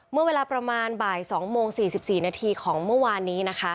เมื่อเวลาประมาณบ่าย๒โมง๔๔นาทีของเมื่อวานนี้นะคะ